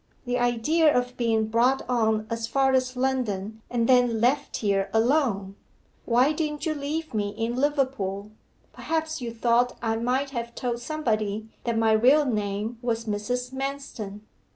The idea of being brought on as far as London and then left here alone! Why didn't you leave me in Liverpool? Perhaps you thought I might have told somebody that my real name was Mrs. Manston.